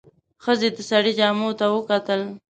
ښځې د سړي جامو ته وکتل.